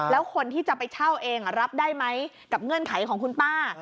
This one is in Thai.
แล้วคนที่จะไปเช่าเองรับได้ไหมกับเงื่อนไขของคุณป้า